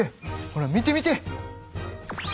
ほら見て見て。